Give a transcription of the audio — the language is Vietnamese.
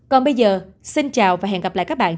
còn bây giờ xin chào và hẹn gặp lại các bạn